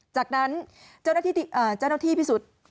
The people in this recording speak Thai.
จากนั้นเจ้าหน้าที่พิสูจน์